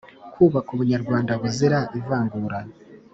Kubaka Ubunyarwanda Buzira Ivangura